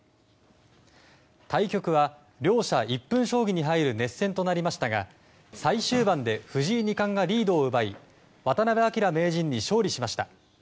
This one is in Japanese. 対局は両者１分将棋に入る熱戦となりましたが最終盤で藤井二冠がリードを奪い渡辺明名人に勝利しました。